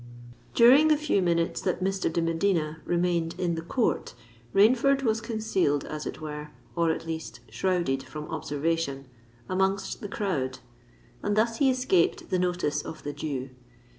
During the few minutes that Mr. de Medina remained in the court, Rainford was concealed as it were—or at least shrouded from observation—amongst the crowd; and thus he escaped the notice of the Jew.